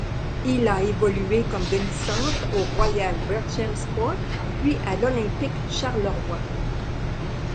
Il a évolué comme demi-centre au Royal Berchem Sport puis à l'Olympic Charleroi.